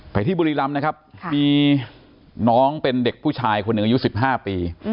ที่บุรีรำนะครับมีน้องเป็นเด็กผู้ชายคนหนึ่งอายุ๑๕ปี